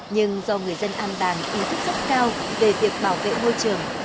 nhưng do người dân an bàng ý thức rất cao về việc bảo vệ môi trường